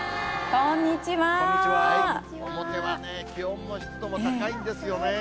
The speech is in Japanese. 表はね、気温も湿度も高いんですよね。